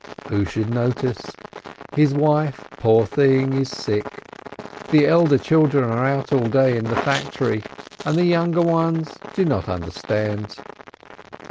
Who should notice? His wife, poor thing, is sick, the elder children are out all day in the factory, and the younger ones do not understand.